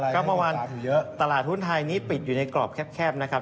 ก็เมื่อวานตลาดหุ้นไทยนี้ปิดอยู่ในกรอบแคบนะครับ